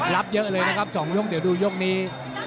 รับเยอะเลยนะครับ๒ยกเดี๋ยวดูยกนี้